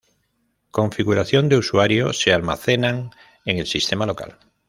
Configuración de usuario se almacenan en el sistema local.